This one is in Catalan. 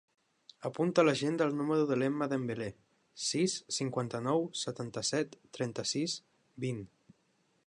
Apunta a l'agenda el número de l'Emma Dembele: sis, cinquanta-nou, setanta-set, trenta-sis, vint.